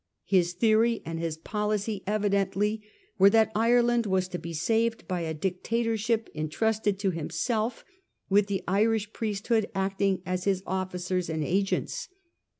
His theory and his policy evidently were that Ireland was to be saved by a dictatorship entrusted to himself, with the Irish priesthood acting as his officers and agents.